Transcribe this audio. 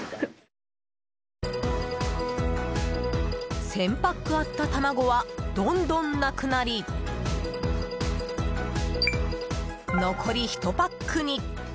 １０００パックあった卵はどんどんなくなり残り１パックに。